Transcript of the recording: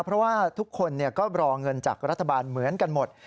เพราะว่าทุกคนก็รอเงินจากรัฐบาลเหมือนกันหมด